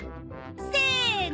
せの！